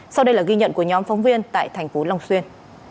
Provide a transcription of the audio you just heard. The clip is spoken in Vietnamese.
sau đây là ghi nhận của nhóm phóng viên tại thành phố long xuyên